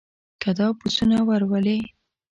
که دا پسونه ور ولې.